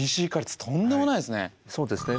そうですね。